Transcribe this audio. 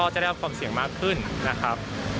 จะได้รับความเสี่ยงมากขึ้นนะครับ